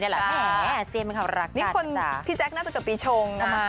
แหวนที่ที่แจกรีคอ่ะ